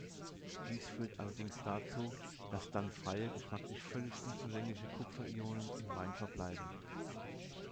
Dies führt allerdings dazu, dass dann freie, geschmacklich völlig unzulängliche, Kupferionen im Wein verbleiben.